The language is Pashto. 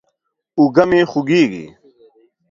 اوږه مې خوږېږي.